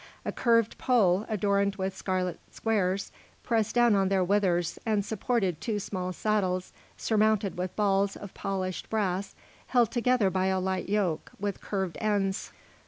A curved pole, adorned with scarlet squares, pressed down on their withers, and supported two small saddles surmounted with balls of polished brass held together by a light yoke, with curved ends.